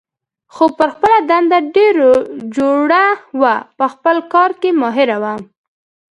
خو پر خپله دنده ډېره جوړه وه، په خپل کار کې ماهره وه.